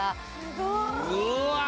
うわ！